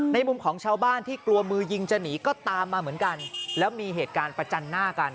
มุมของชาวบ้านที่กลัวมือยิงจะหนีก็ตามมาเหมือนกันแล้วมีเหตุการณ์ประจันหน้ากัน